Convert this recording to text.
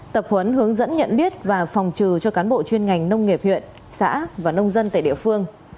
tập huấn hướng dẫn nhận biết và phòng trừ cho cán bộ chuyên ngành nông nghiệp huyện xã và nông dân tại địa phương